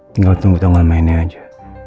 tinggal tunggu tungguan mainnya aja